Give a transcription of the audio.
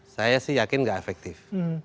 saya sih yakin nggak efektif